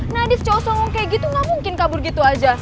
nadif cowok cowok kayak gitu gak mungkin kabur gitu aja